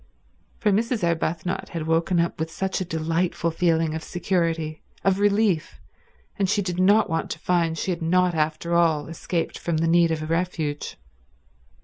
For Mrs. Arbuthnot had woken up with such a delightful feeling of security, of relief, and she did not want to find she had not after all escaped from the need of refuge.